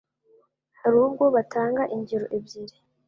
Hari ubwo batanga ingero ebyiri